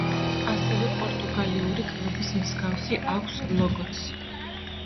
ასევე პორტუგალიური კლუბის მსგავსი აქვს ლოგოც.